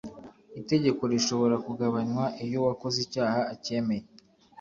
itegeko rishobora kugabanywa iyo uwakoze icyaha acyemeye